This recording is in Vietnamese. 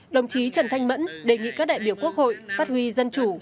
đồng chí trần thanh mẫn đề nghị các đại biểu quốc hội phát huy dân chủ